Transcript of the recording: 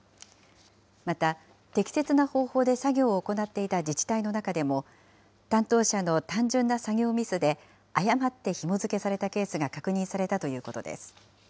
また、適切な方法で作業を行っていた自治体の中でも、担当者の単純な作業ミスで、誤ってひも付けされたケースが確認されたということです。